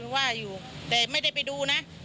ว่าอยู่แต่ไม่ได้ไปดูนะ